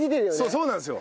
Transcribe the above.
そうなんですよ。